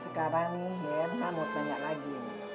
sekarang nih henta mau tanya lagi